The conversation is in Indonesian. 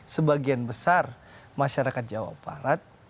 sebagian besar masyarakat jawa barat